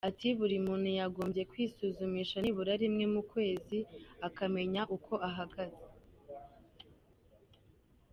Ati “Buri muntu yagombye kwisuzumisha nibura rimwe mu kwezi akamenya uko ahagaze.